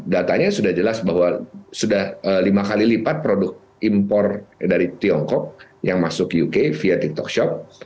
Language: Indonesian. datanya sudah jelas bahwa sudah lima kali lipat produk impor dari tiongkok yang masuk uk via tiktok shop